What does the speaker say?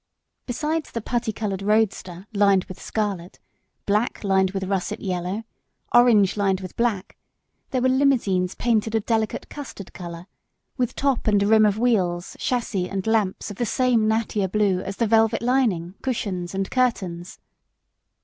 Besides the putty coloured roadster lined with scarlet, black lined with russet yellow, orange lined with black; there were limousines painted a delicate custard colour, with top and rim of wheels, chassis and lamps of the same Nattier Blue as the velvet lining, cushions and curtains.